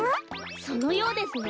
そのようですね。